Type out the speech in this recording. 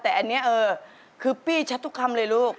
แต่อันนี้คือปี้ชัดทุกคำเลยลูก